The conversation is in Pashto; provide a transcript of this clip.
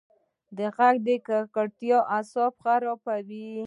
د غږ ککړتیا اعصاب خرابوي.